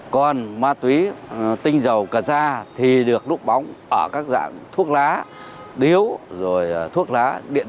còn ma túy tinh dầu cà ra thì được núp bóng ở các dạng thuốc lá điếu rồi thuốc lá điện tử